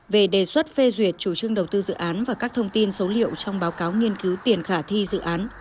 về đề xuất phê duyệt chủ trương đầu tư dự án và các thông tin số liệu trong báo cáo nghiên cứu tiền khả thi dự án